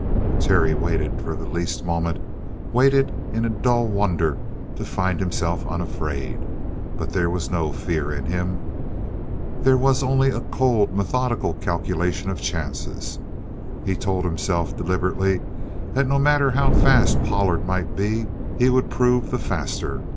Terry waited for the least moment waited in a dull wonder to find himself unafraid. But there was no fear in him. There was only a cold, methodical calculation of chances. He told himself, deliberately, that no matter how fast Pollard might be, he would prove the faster.